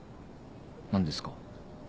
何ですか？